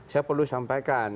saya perlu sampaikan